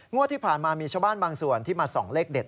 งวดที่ผ่านมามีชาวบ้านบางส่วนที่มาส่องเลขเด็ด